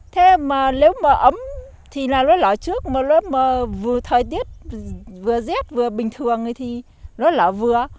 thế mà nếu mà ấm thì nó lỡ trước mà nếu mà vừa thời tiết vừa rét vừa bình thường thì nó lỡ vừa